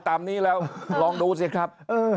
ตามนี้แล้วลองดูสิครับ